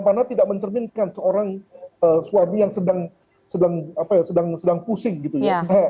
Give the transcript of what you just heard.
karena tidak mencerminkan seorang suami yang sedang pusing gitu ya